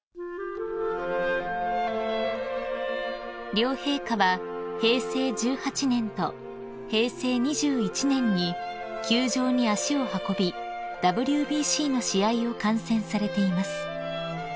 ［両陛下は平成１８年と平成２１年に球場に足を運びＷＢＣの試合を観戦されています］